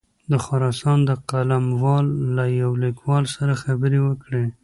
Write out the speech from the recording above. د خراسان د قلموال له یوه لیکوال سره خبرې وکړې.